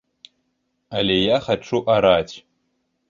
Але я хачу араць.